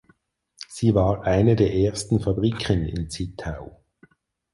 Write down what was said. Sie war eine der ersten Fabriken in Zittau.